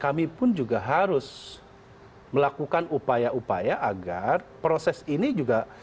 kami pun juga harus melakukan upaya upaya agar proses ini juga